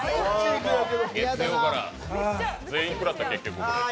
月曜から全員食らった、結局。